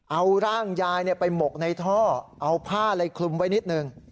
เอาร่างยายไปหมกในท่อเอาผ้าอะไรคลุมไว้นิดนึง